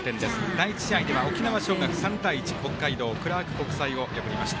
第１試合では沖縄尚学高校３対１、北海道のクラーク記念国際高校を破りました。